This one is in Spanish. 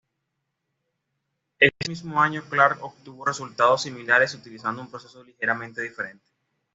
Ese mismo año Clark obtuvo resultados similares utilizando un proceso ligeramente diferente.